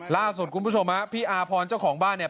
ล่าสุดคุณผู้ชมฮะพี่อาพรเจ้าของบ้านเนี่ย